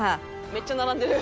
「めっちゃ並んでる」